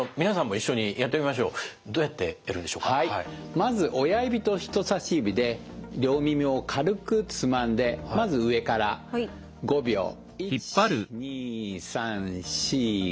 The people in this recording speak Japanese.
まず親指と人さし指で両耳を軽くつまんでまず上から５秒１２３４５。